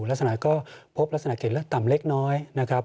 ลักษณะก็พบลักษณะเกรดเลือดต่ำเล็กน้อยนะครับ